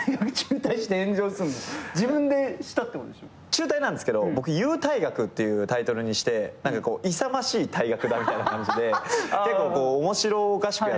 中退なんですけど僕勇退学っていうタイトルにして勇ましい退学だみたいな感じで面白おかしくやったんですけど。